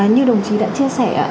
như đồng chí đã chia sẻ